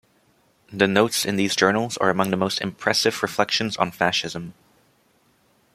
The notes in these journals are among the most impressive reflections on fascism.